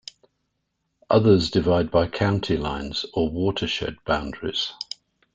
Others divide by county lines or watershed boundaries.